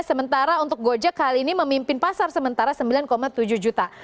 sementara untuk gojek hal ini memimpin pasar sementara sembilan tujuh juta